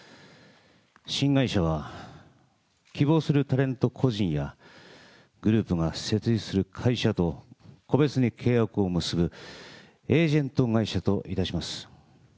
新会社は、希望するタレント個人やグループが設立する会社と、個別に契約を結ぶエージェント会社といたします。